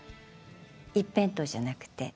一辺倒じゃなくて。